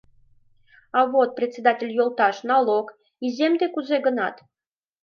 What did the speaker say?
— А вот, председатель йолташ, налог... иземде кузе гынат?